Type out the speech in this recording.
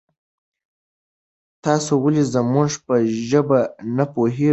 تاسو ولې زمونږ په ژبه نه پوهیږي؟